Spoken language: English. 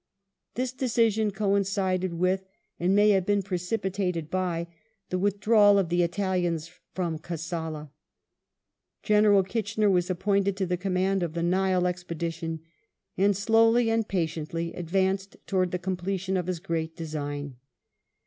This decision coincided with, and may have been precipitated by the withdrawal of the Italians from Kassala.^ General Kitchener was appointed to the command of the Nile expedition, and slowly and jmtiently advanced towards the completion of his great design.